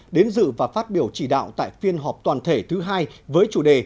đến dự và phát biểu chỉ đạo tại phiên họp toàn thể thứ hai với chủ đề